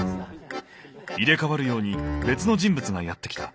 入れ代わるように別の人物がやって来た。